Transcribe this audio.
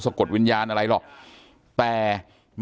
การแก้เคล็ดบางอย่างแค่นั้นเอง